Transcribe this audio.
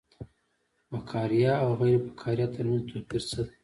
د فقاریه او غیر فقاریه ترمنځ توپیر څه دی